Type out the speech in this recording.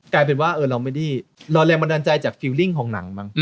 กลายเป็นว่าเราไม่ได้รอแรงบันดาลใจจากฟิลลิ่งของหนังมั้ง